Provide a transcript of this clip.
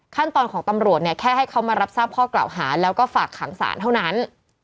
ขั้นตอนของตำรวจเนี่ยแค่ให้เขามารับทราบข้อกล่าวหาแล้วก็ฝากขังศาลเท่านั้น